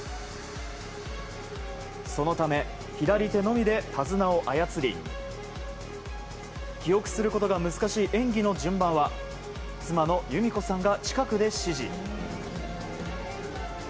そのため、左手のみで手綱を操り記憶することが難しい演技の順番は妻の裕美子さんが近くで指示。